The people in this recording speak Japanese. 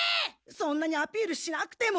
そんなにアピールしなくても。